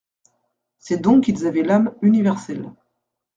C'est donc qu'ils avaient l'âme universelle.